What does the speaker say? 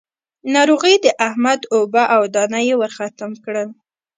ناروغي د احمد اوبه او دانه يې ورختم کړل.